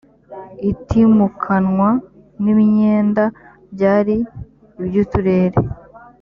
itimukanwa n imyenda byari iby uturere